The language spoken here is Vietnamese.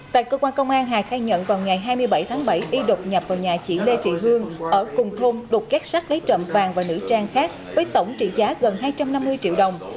tại cơ quan công an hà khai nhận vào ngày hai mươi bảy tháng bảy y đột nhập vào nhà chị lê thị hương ở cùng thôn đục các sát lấy trộm vàng và nữ trang khác với tổng trị giá gần hai trăm năm mươi triệu đồng